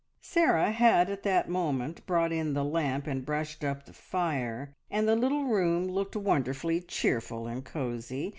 Sarah had that moment brought in the lamp and brushed up the fire, and the little room looked wonderfully cheerful and cosy.